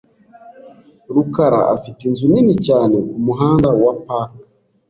rukara afite inzu nini cyane. kumuhanda wa Park .